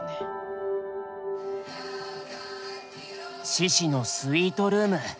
シシのスイートルーム。